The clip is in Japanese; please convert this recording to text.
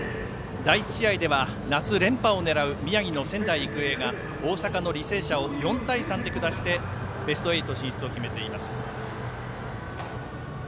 第１試合では夏連覇を狙う宮城の仙台育英が大阪の履正社を４対３で下してベスト８進出を決めています。